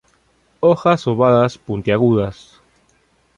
Hojas ovadas puntiagudas.